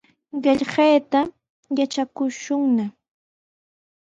Qillqayta yatrakushunna.